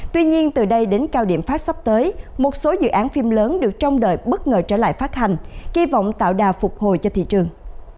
tuy nhiên từ đây đến cao điểm phát sắp tới một số dự án phim lớn được trong đợi bất ngờ trở lại phát hành kỳ vọng tạo đà phục hồi cho thị trường